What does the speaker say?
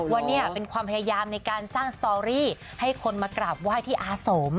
ว่านี่เป็นความพยายามในการสร้างสตอรี่ให้คนมากราบไหว้ที่อาสม